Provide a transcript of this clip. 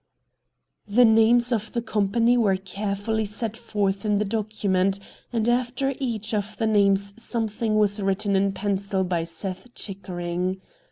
The names of the company were carefully set forth in the document, and after each of the names something was written in pencil by Seth Chickering.